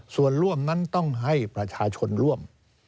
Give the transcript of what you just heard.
ส่วนร่วมนั้นต้องให้ประชาชนร่วม